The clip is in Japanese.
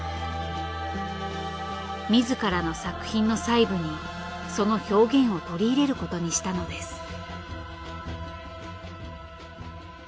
自らの作品の細部にその表現を取り入れることにしたのです。